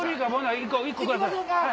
１個ください。